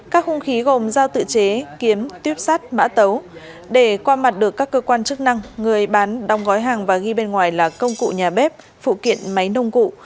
các hung khí gồm giao tự chế kiếm tuyếp sắt mã tấu để qua mặt được các cơ quan chức năng người bán đong gói hàng và ghi bên ngoài là công cụ nhà bếp phụ kiện máy nông cụ